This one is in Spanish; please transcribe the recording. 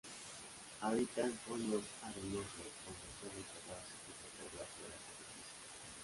Habita en fondos arenosos, donde suele enterrarse justo por debajo de la superficie.